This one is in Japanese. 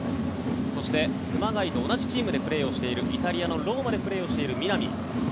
そして、熊谷と同じチームでプレーをしているイタリアのローマでプレーしている南。